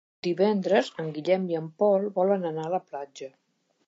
Divendres en Guillem i en Pol volen anar a la platja.